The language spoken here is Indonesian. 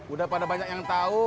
udah pada banyak yang tahu